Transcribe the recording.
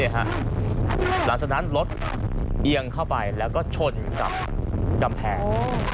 หลังจากนั้นรถเอียงเข้าไปแล้วก็ชนกับกำแพง